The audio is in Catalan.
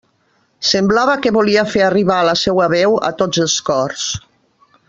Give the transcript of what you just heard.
Semblava que volia fer arribar la seua veu a tots els cors.